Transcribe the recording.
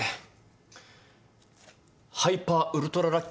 ハイパーウルトララッキーだよ。